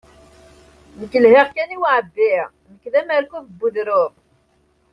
Nekk lhiɣ kan i uɛebbi, nekk d amerkub n udrum.